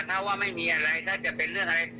ถ้าว่าไม่มีอะไรถ้าจะเป็นเรื่องอะไร